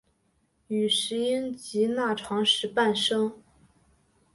与石英及钠长石伴生。